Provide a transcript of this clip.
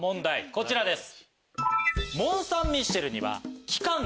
こちらです。